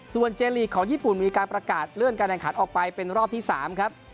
ส่วนเจลีกของญี่ปุ่นมีการประกาศเลื่อนการแข่งขันออกไปเป็นรอบที่๓ครับ